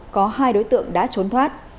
có hai đối tượng đã trốn thoát